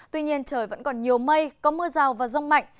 tuy nhiên trời vẫn còn nhiều mây có mưa rào và rông mạnh